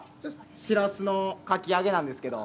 しらすのかき揚げなんですけど。